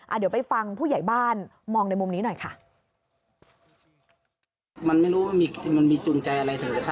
เดี๋ยวไปฟังผู้ใหญ่บ้านมองในมุมนี้หน่อยค่ะ